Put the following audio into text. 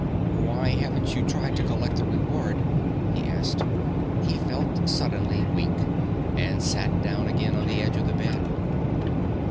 "Why haven't you tried to collect the reward?" he asked. He felt suddenly weak, and sat down again on the edge of the bed.